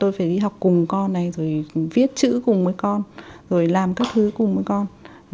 tôi phải đi học cùng con này rồi viết chữ cùng với con rồi làm các thứ cùng với con